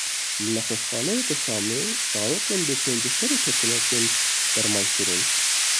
Li nexweşxaneyeke Şamê zarokên bi penceşêrê ketine tên dermankirin.